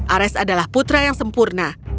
ares adalah putra yang sempurna